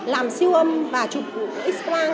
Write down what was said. làm siêu âm và chụp x quang